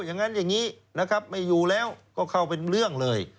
อย่างนั้นอย่างนี้นะครับไม่อยู่แล้วก็เข้าเป็นเรื่องเลย